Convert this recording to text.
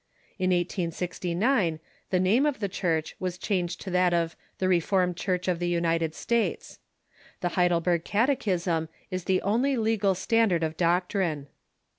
In 1869 the name of the Church was changed to that of the Reformed Church of the United States. The Heidelberg Catechism is the only legal standard of doctrine.